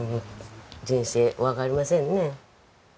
人生わかりませんね。